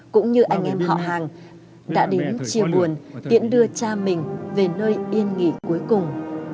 cũng như anh em họ hàng đã đến chia buồn tiễn đưa cha mình về nơi yên nghỉ cuối cùng